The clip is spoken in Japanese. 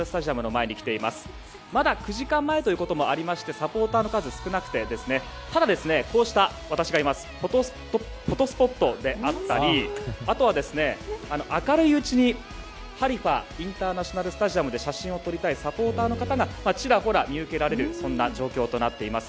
サポーターの数は少なくてただ、こうした私がいるフォトスポットであったりあとは、明るいうちにハリファ・インターナショナル・スタジアムで写真を撮りたいサポーターの方がちらほら見受けられる状況となっています。